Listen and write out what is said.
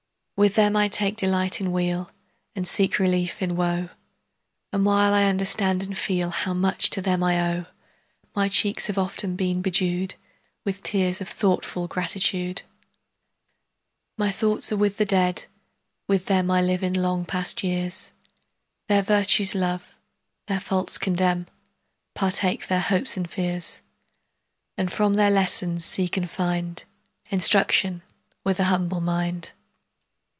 With them I take delight in weal And seek relief in woe; And while I understand and feel How much to them I owe, 10 My cheeks have often been bedew'd With tears of thoughtful gratitude. My thoughts are with the Dead; with them I live in long past years, Their virtues love, their faults condemn, 15 Partake their hopes and fears; And from their lessons seek and find Instruction with an humble mind.